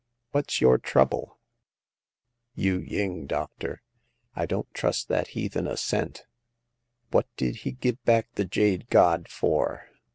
What's your trouble ?"Yu ying, doctor. I don't trust that heathen a cent. What did he give back the jade god for